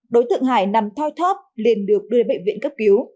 đối tượng hải nằm thoi thóp liền được đưa bệnh viện cấp cứu